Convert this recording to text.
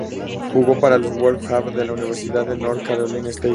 Jugó para los "Wolfpack" de la Universidad de North Carolina State.